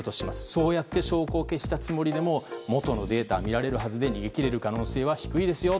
そうやって証拠を消したつもりでも元のデータは見られるはずで逃げ切れる可能性は低いですよ